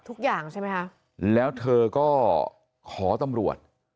ทุกอย่างใช่ไหมคะแล้วเธอก็ขอตำรวจ